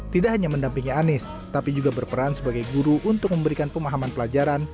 tidak hanya mendampingi anies tapi juga berperan sebagai guru untuk memberikan pemahaman pelajaran